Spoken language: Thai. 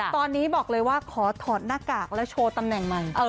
ตอนนี้บอกเลยว่าขอถอดหน้ากากแล้วโชว์ตำแหน่งใหม่